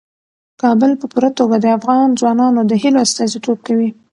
کابل په پوره توګه د افغان ځوانانو د هیلو استازیتوب کوي.